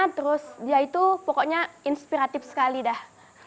terus dia itu pokoknya inspiratif sekali dah